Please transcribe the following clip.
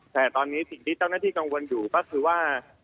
แต่ตอนนี้สิ่งที่เจ้าหน้าที่กังวลอยู่ก็คือว่า